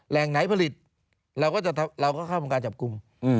แหล่งไหนผลิตเราก็เข้าทำการจับกลุ่ม